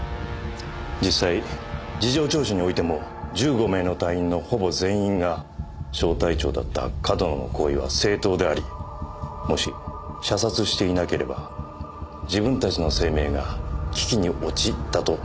実際事情聴取においても１５名の隊員のほぼ全員が小隊長だった上遠野の行為は正当でありもし射殺していなければ自分たちの生命が危機に陥ったと供述しました。